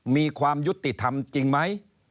มีความยุติธรรมจริงไหม